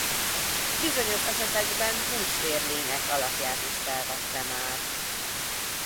Bizonyos esetekben hús-vér lények alakját is felvette már.